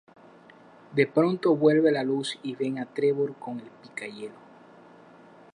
De pronto vuelve la luz y ven a Trevor con el pica hielo.